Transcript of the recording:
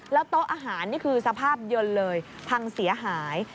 และโต๊ะอาหารสภาพยนตร์พังเสียหาย